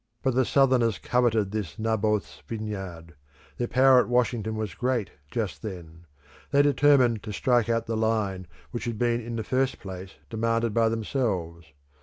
But the Southerners coveted this Naboth's vineyard; their power at Washington was great just then; they determined to strike out the line which had been in the first place demanded by themselves.